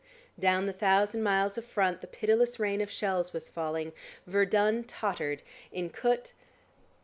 Down the thousand miles of front the pitiless rain of shells was falling, Verdun tottered, in Kut....